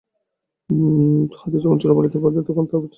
হাতি যখন চোরাবালিতে পা দেয় তখন তার বাঁচবার উপায় কী?